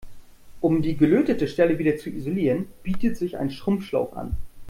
Um die gelötete Stelle wieder zu isolieren, bietet sich ein Schrumpfschlauch an.